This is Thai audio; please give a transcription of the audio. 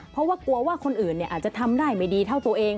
เพราะว่ากลัวว่าคนอื่นอาจจะทำได้ไม่ดีเท่าตัวเอง